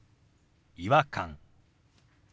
「違和感」。